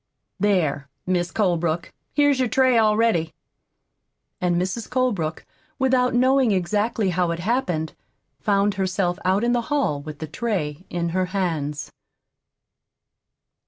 There, Mis' Colebrook, here's your tray all ready." And Mrs. Colebrook, without knowing exactly how it happened, found herself out in the hall with the tray in her hands.